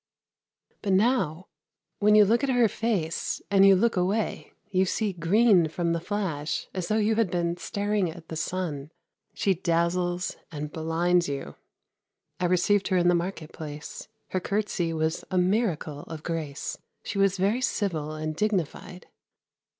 But now ... when you look at her face and you look away, you see green from the flash, as though you had been staring at the sun. She dazzles and blinds you. I received her in the market place. Her curtsey was a miracle of grace. She was very civil and dignified.